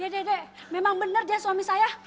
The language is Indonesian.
dede memang bener dia suami saya